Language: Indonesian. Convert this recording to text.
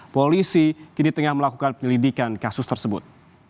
polisi kini tengah melakukan penyelidikan kasus tersebut